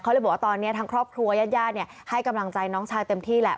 เขาเลยบอกว่าตอนนี้ทางครอบครัวญาติญาติให้กำลังใจน้องชายเต็มที่แหละ